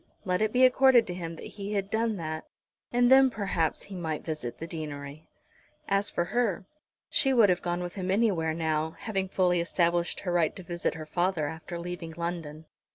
Let it be accorded to him that he had done that, and then perhaps he might visit the deanery. As for her, she would have gone with him anywhere now, having fully established her right to visit her father after leaving London.